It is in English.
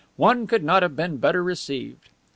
One could not have been better received."